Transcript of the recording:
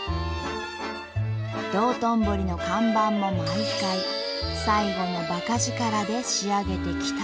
道頓堀の看板も毎回最後のばか力で仕上げてきたという。